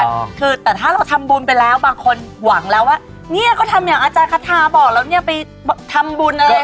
ถูกต้องคือแต่ถ้าเราทำบุญไปแล้วบางคนหวังแล้วว่าเนี่ยก็ทำอย่างอาจารย์คาทาบอกแล้วเนี่ยไปทำบุญอะไร